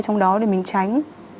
trong đó để mình tránh